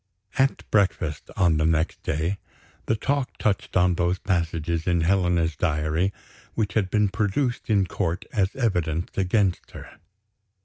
At breakfast, on the next day, the talk touched on those passages in Helena's diary, which had been produced in court as evidence against her.